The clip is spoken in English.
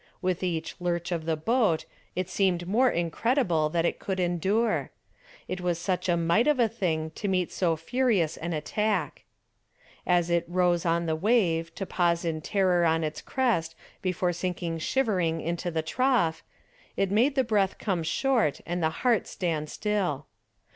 With each lurch of the boat it seemed more incredible that it could endure. It was such a mite of a thing to meet so furious an attack. As it rose on the wave to pause in terror on its crest before sinking shivering into the trough, it made the breath come short and the heart stand still.